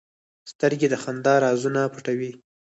سترګې د خندا رازونه پټوي